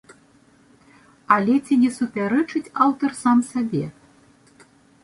Але ці не супярэчыць аўтар сам сабе?